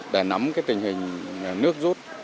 để nắm cái tình hình nước rút